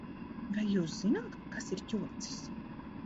Vai Jūs zināt ,kas ir ķocis?